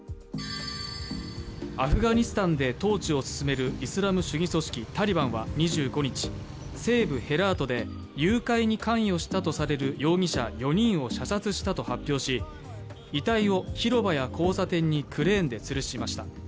アフガニスタンで統治を進めるイスラム主義組織タリバンは２５日、西部ヘラートで誘拐に関与したとされる容疑者４人を射殺したと発表し、遺体を広場や交差点にクレーンでつるしました。